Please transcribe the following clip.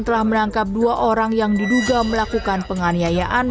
telah menangkap dua orang yang diduga melakukan penganiayaan